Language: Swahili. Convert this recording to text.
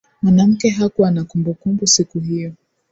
mwanamke hakuwa na kumbukumbu siku hiyo